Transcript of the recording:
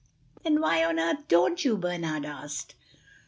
"Then why on earth don't you?" Bernard asked.